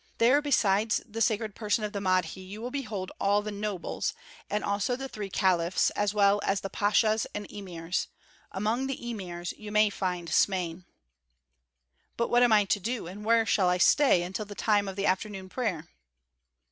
There besides the sacred person of the Mahdi you will behold all the 'Nobles' and also the three caliphs as well as the pashas and emirs; among the emirs you may find Smain." "But what am I to do and where shall I stay until the time of the afternoon prayer?"